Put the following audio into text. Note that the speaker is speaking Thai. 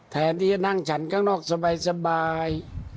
แทนที่จะนั่งฉันข้างนอกสบาย